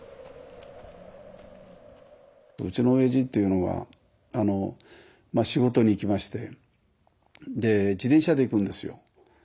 うちのおやじっていうのがまあ仕事に行きましてで自転車で行くんですよ。